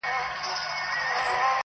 یوه ورځ چي سوه تیاره وخت د ماښام سو٫